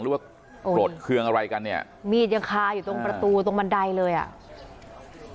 หรือว่าโกรธเครื่องอะไรกันเนี่ยมีดยังคาอยู่ตรงประตูตรงบันไดเลยอ่ะ